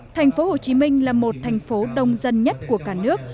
thành phố hồ chí minh là một thành phố đông dân nhất của cả nước